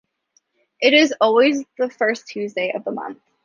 It is always the first Tuesday of the month.